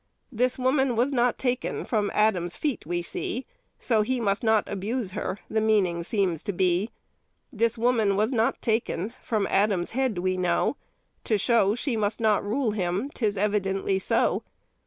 This woman was not taken From Adam's feet, we see; So he must not abuse her, The meaning seems to be. This woman was not taken From Adam's head, we know; To show she must not rule him, 'Tis evidently so.